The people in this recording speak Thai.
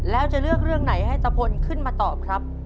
แล้วจะเลือกเรื่องไหนให้ตะพลขึ้นมาตอบครับ